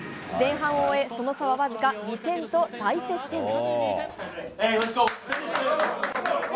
前半を終え、その差はわずか２点と大接戦。